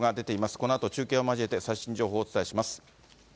このあと中継を交えて最新情報お伝えします。